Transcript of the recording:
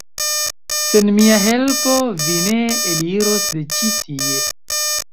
sen mia helpo vi ne eliros de ĉi tie!